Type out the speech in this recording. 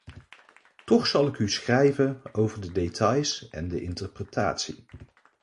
Toch zal ik u schrijven over de details en de interpretatie.